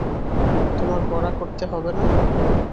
তোমার পড়া করতে হবে না?